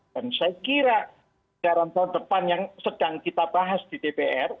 dan saya kira di tahun depan yang sedang kita bahas di dpr